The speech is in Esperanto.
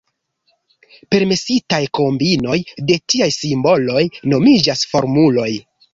Permesitaj kombinoj de tiaj simboloj nomiĝas formuloj.